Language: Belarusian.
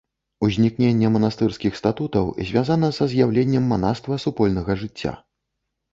Узнікненне манастырскіх статутаў звязана са з'яўленнем манаства супольнага жыцця.